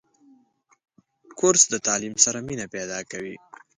کورس د تعلیم سره مینه پیدا کوي.